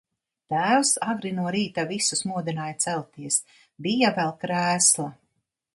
Tēvs agri no rīta visus modināja celties, bija vēl krēsla.